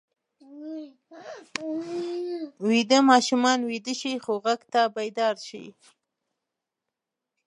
ویده ماشومان ویده شي خو غږ ته بیدار شي